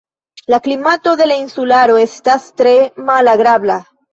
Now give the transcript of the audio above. La klimato de la insularo estas tre malagrabla.